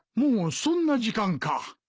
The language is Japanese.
もうそんな時間か。